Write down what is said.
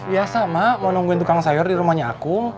biasa mak mau nungguin tukang sayur di rumahnya aku